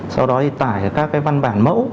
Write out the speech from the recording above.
sau đó thì tải các cái văn bản mẫu